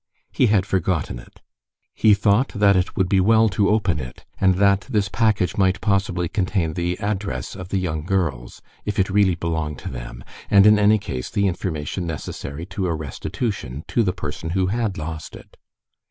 He had forgotten it. He thought that it would be well to open it, and that this package might possibly contain the address of the young girls, if it really belonged to them, and, in any case, the information necessary to a restitution to the person who had lost it.